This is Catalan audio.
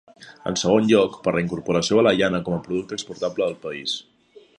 En segon lloc, per la incorporació de la llana com a producte exportable del país.